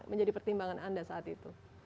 menjadi pertimbangan anda saat itu